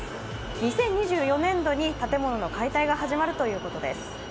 ２０２４年度に建物の解体が始まるということです。